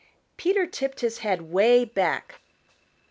Peter tipped his head 'way back.